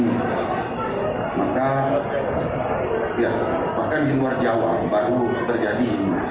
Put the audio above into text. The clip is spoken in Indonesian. maka ya bahkan di luar jawa baru terjadi ini